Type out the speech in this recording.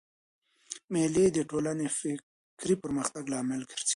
مېلې د ټولني د فکري پرمختګ لامل ګرځي.